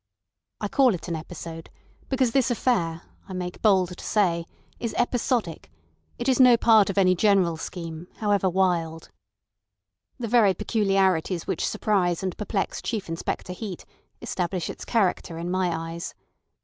I call it an episode, because this affair, I make bold to say, is episodic; it is no part of any general scheme, however wild. The very peculiarities which surprise and perplex Chief Inspector Heat establish its character in my eyes.